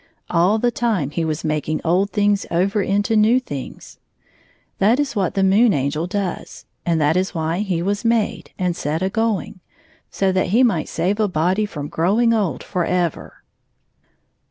All the time he was making old things over into new things. That is what the Moon Angel does, and that is why he was made, and set a going — so that he might save a body from growing old forever.